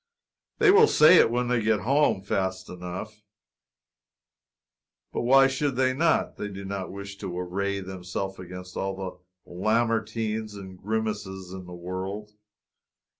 They will say it when they get home, fast enough, but why should they not? They do not wish to array themselves against all the Lamartines and Grimeses in the world.